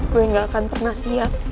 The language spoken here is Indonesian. gue gak akan pernah siap